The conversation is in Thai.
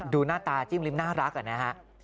ดูหน้าตาจิ้มริมน่ารักอะนะครับ